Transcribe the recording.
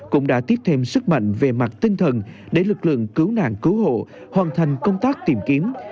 cũng đã tiếp thêm sức mạnh về mặt tinh thần để lực lượng cứu nạn cứu hộ hoàn thành công tác tìm kiếm